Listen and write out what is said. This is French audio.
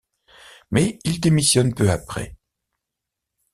Mais il démissionne peu après.